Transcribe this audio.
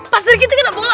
pas trik itik kena bola